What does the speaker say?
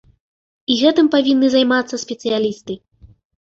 І гэтым павінны займацца спецыялісты.